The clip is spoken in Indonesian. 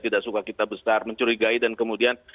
tidak suka kita besar mencurigai dan kemudian